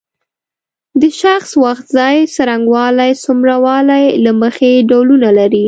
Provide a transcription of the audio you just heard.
د شخص وخت ځای څرنګوالی څومره والی له مخې ډولونه لري.